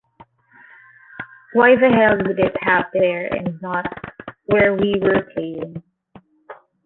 Why the hell did it happen there and not where we were playing?